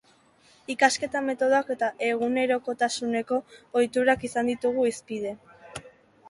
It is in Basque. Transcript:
Ikasketa metodoak eta egunerokotasuneko ohiturak izan ditugu hizpide.